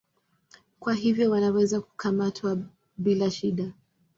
Kwa hivyo wanaweza kukamatwa bila shida.